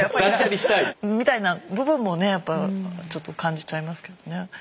みたいな部分もねやっぱちょっと感じちゃいますけどね。